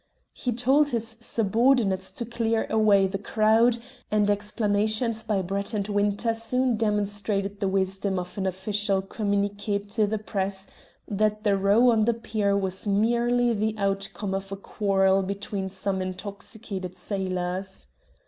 He told his subordinates to clear away the crowd, and explanations by Brett and Winter soon demonstrated the wisdom of an official communique to the Press that the row on the pier was merely the outcome of a quarrel between some intoxicated sailors.